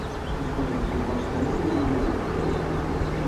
Disposa de centrals tèrmiques i hidroelèctriques.